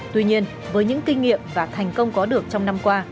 tuy nhiên với những kinh nghiệm và thành công có được trong năm qua